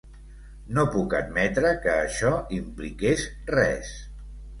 No puc admetre que això impliqués res.